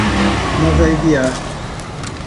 Nova Ibiá